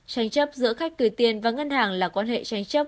tranh chấp giữa khách gửi tiền và ngân hàng là quan hệ tranh chấp